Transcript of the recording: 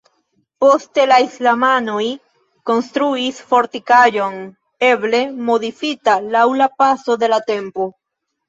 Poste la islamanoj konstruis fortikaĵon eble modifita laŭ la paso de la tempo.